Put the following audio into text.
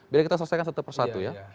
biar kita selesaikan satu persatu ya